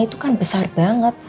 itu kan besar banget